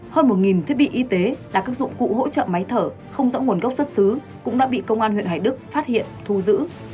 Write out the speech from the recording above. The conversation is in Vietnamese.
hơn một thiết bị y tế là các dụng cụ hỗ trợ máy thở không rõ nguồn gốc xuất xứ cũng đã bị công an huyện hoài đức phát hiện thu giữ